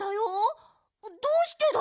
どうしてだろう？